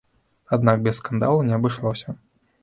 Аднак без скандалу не абышлося.